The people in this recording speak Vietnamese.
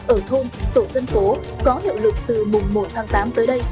ở thôn tổ dân phố có hiệu lực từ mùng một tháng tám tới đây